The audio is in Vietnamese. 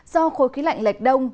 do khô khí lạnh lệch đông